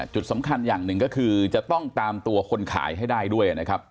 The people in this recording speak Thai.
จุดสำคัญอย่างหนึ่งก็คือจะต้องตามตัวคนขายให้ได้ด้วยนะครับ